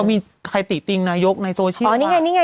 ก็มีใครติดติงนะยกในโซเชียลค่ะ